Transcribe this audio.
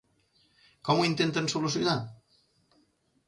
Com ho intenten solucionar?